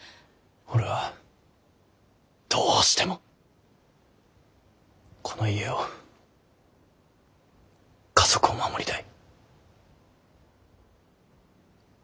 俺はどうしてもこの家を家族を守りたい。